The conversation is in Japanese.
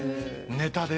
ネタで。